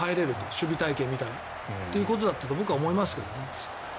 守備隊形を見たらということだったと思いますけどね。